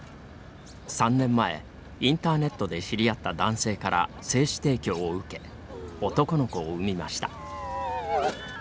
３年前、インターネットで知り合った男性から精子提供を受け男の子を産みました。